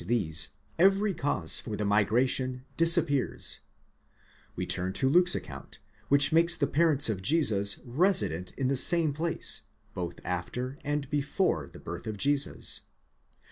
these every cause for the migration disappears, we turn to Luke's account, which makes the parents of Jesus resident in the same place, both after and before the birth of Jesus.